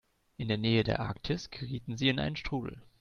In der Nähe der Arktis gerieten sie in einen Strudel.